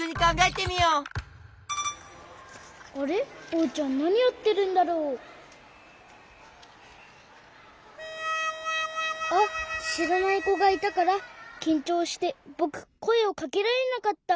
おうちゃんなにやってるんだろう？あっしらないこがいたからきんちょうしてぼくこえをかけられなかった。